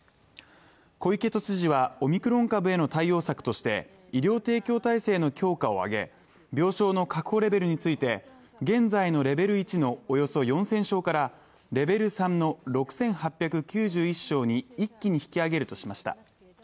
小池都知事はオミクロン株への対応策として医療提供体制の強化を挙げ、病床の確保レベルについて現在のレベル１のおよそ４０００床からレベル３の６８９１床に一気に引き上げるとしました。